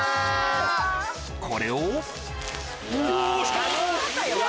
これを。